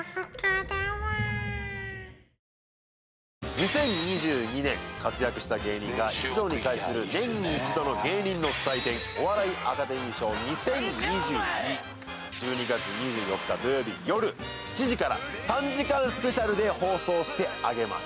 ２０２２年活躍した芸人が一堂に会する年に一度の芸人の祭典、「お笑いアカデミー賞２０２２」３時間スペシャルで放送してあげます。